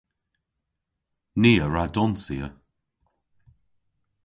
Ni a wra donsya.